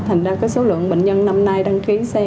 thành ra cái số lượng bệnh nhân năm nay đăng ký xe